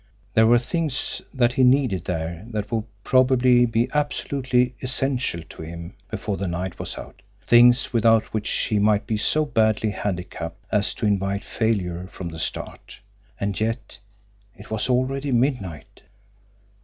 There were things that he needed there that would probably be absolutely essential to him before the night was out, things without which he might be so badly handicapped as to invite failure from the start; and yet it was already midnight!